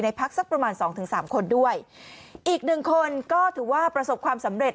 พักสักประมาณสองถึงสามคนด้วยอีกหนึ่งคนก็ถือว่าประสบความสำเร็จ